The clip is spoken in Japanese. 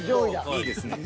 いいですね。